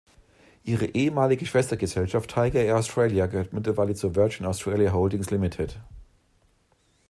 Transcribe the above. Ihre ehemalige Schwestergesellschaft Tigerair Australia gehört mittlerweile zur Virgin Australia Holdings Ltd.